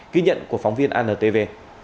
ký nhận của phóng viên antv